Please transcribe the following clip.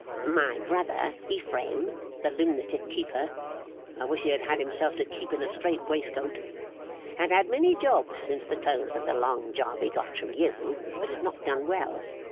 My brother Ephraim, the lunatic keeper (I wish he had had himself to keep in a strait waistcoat), had had many jobs since the close of the long job he got from you, but had not done well.